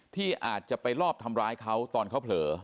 ที่อาจจะไปรอบทำร้ายเขาตอนเขาเผลอ